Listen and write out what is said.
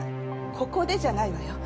ここでじゃないのよ。